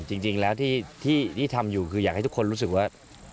จริงแล้วที่ทำอยู่คืออยากให้ทุกคนรู้สึกว่า